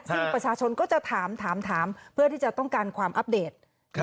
ซึ่งประชาชนก็จะถามถามเพื่อที่จะต้องการความอัปเดต